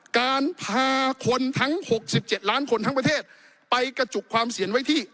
การพาคนทั้ง๖๗ล้านคนทั้งประเทศไปกระจุกความเสียนไว้ที่